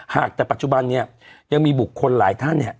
หากแต่ปัจจุบันเนี่ยยังมีบุคคลหลายท่านเนี่ย